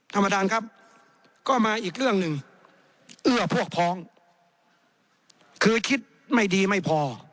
ท่านประธานครับก็มาอีกเรื่องหนึ่งเอื้อพวกพ้องคือคิดไม่ดีไม่พอ